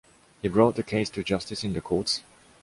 He brought the case to justice in the courts.